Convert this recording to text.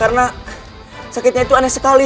karena sakitnya itu aneh sekali